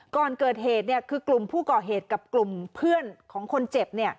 ก่อนเกิดเหตุคือกลุ่มผู้ก่อเหตุกับกลุ่มเพื่อนของคนเจ็บ